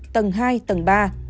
tầng hai tầng ba